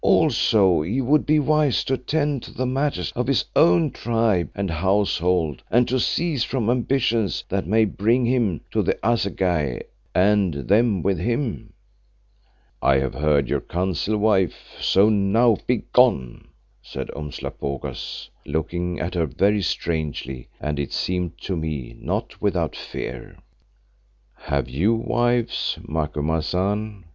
Also he would be wise to attend to the matters of his own tribe and household and to cease from ambitions that may bring him to the assegai, and them with him." "I have heard your counsel, Wife, so now begone!" said Umslopogaas, looking at her very strangely, and it seemed to me not without fear. "Have you wives, Macumazahn?"